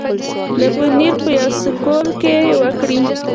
د بونېر پۀ يو سکول کښې وکړې